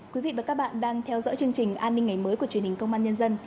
quý vị và các bạn đang theo dõi chương trình an ninh ngày mới của truyền hình công an nhân dân